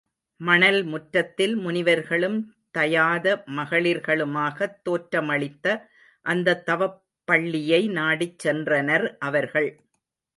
மணல் முற்றத்தில் முனிவர்களும் தயாத மகளிர்களுமாகத் தோற்றமளித்த அந்தத் தவப் பள்ளியை நாடிச் சென்றனர் அவர்கள்.